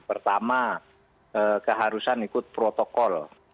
pertama keharusan ikut protokol